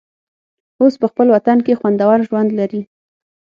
اوس په خپل وطن کې خوندور ژوند لري.